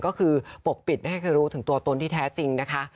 ก็คือปกปิดไม่ให้เคยรู้ถึงตัวตนที่แท้จริงนะคะ